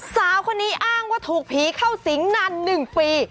สาวคนนี้อ้างว่าถูกผีเข้าสิงนาน๑ปี